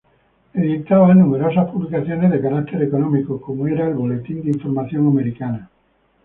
Editaba numerosas publicaciones de carácter económico como era el Boletín de Información Americana.